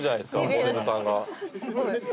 モデルさんが。